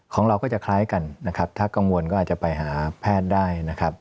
ของเราก็จะคล้ายกันถ้ากังวลก็อาจจะไปหาแพทย์ได้